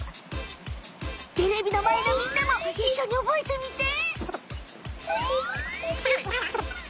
テレビのまえのみんなもいっしょに覚えてみて。